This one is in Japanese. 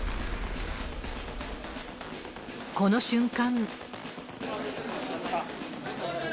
この瞬間。